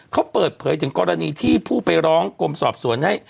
เขาเปิดเผยถึงกรณีที่ผู้ไปร้องกรมสอบสวนให้